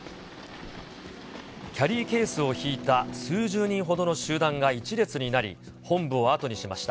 キャリーケースを引いた数十人ほどの集団が一列になり、本部をあとにしました。